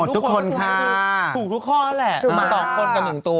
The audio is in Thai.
ถูกทุกข้อแหละ๒คนกับ๑ตัว